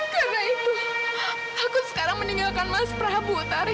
karena itu aku sekarang meninggalkan mas prabu otari